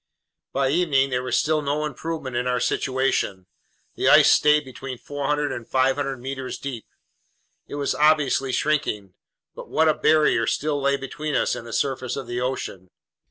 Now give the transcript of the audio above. By evening there was still no improvement in our situation. The ice stayed between 400 and 500 meters deep. It was obviously shrinking, but what a barrier still lay between us and the surface of the ocean!